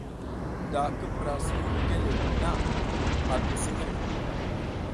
Da ki pura sukum ɗike le na, a nguw siƞgir.